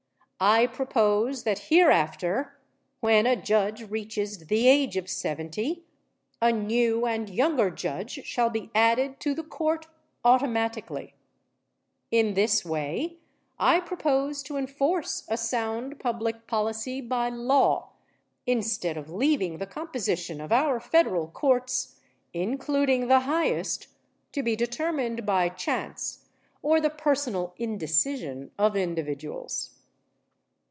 I propose that hereafter, when a judge reaches the age of seventy, a new and younger judge shall be added to the court automatically. In this way I propose to enforce a sound public policy by law instead of leaving the composition of our federal courts, including the highest, to be determined by chance or the personal indecision of individuals.